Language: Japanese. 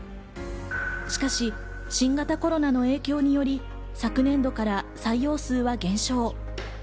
しかし、新型コロナの影響により昨年度から採用数は減少。